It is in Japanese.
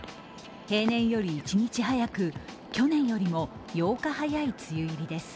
平年より一日早く去年より８日早い梅雨入りです。